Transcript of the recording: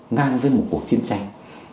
ngang với một cuộc chiến tranh